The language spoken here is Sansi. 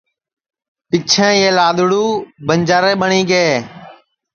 پیچھیں یہ لادڑوُ بنجارے ٻٹؔی گے